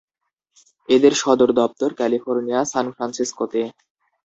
এদের সদর দপ্তর ক্যালিফোর্নিয়া, সান ফ্রান্সিসকোতে।